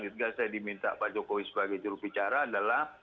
ketika saya diminta pak jokowi sebagai jurubicara adalah